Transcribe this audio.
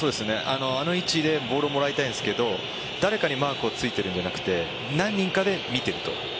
あの位置でボールをもらいたいんですけど誰かにマークをついているんではなく何人かで見ていると。